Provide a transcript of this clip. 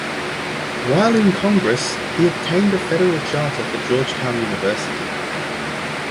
While in Congress, he obtained a federal charter for Georgetown University.